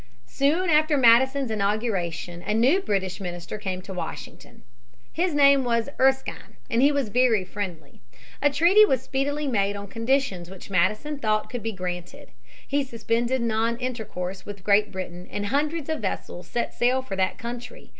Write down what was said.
Soon after Madison's inauguration a new British minister came to Washington. His name was Erskine, and he was very friendly. A treaty was speedily made on conditions which Madison thought could be granted. He suspended non intercourse with Great Britain, and hundreds of vessels set sail for that country.